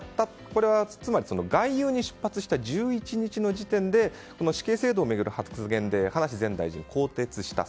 これはつまり、外遊に出発した１１日の時点で死刑制度を巡る発言で葉梨前大臣を更迭した。